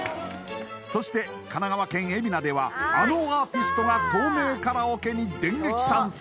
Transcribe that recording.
そして神奈川県海老名では、あのアーティストが透明カラオケに電撃参戦。